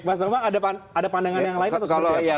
mas bermak ada pandangan yang lain